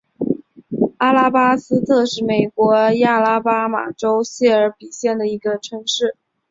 阿拉巴斯特是美国亚拉巴马州谢尔比县的一个城市。